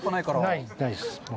ないです、ないです。